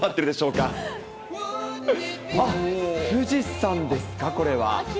うわっ、富士山ですか、これは。